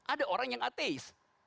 ada orang yang ateis